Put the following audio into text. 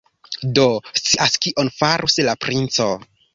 Dio scias, kion farus la princo!